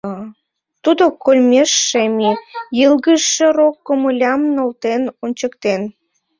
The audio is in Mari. — Тудо кольмеш шеме, йылгыжше рок комылям нӧлтен ончыктен.